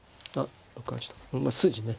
まあ筋ね。